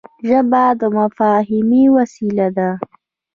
ژبه د مفاهمې وسیله ده